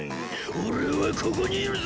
おれはここにいるぞ！